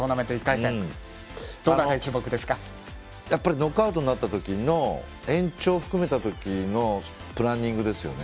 ノックアウトになった時の延長含めた時のプランニングですよね。